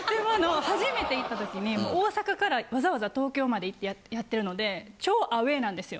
初めて行った時に大阪からわざわざ東京まで行ってやってるので超アウェーなんですよ。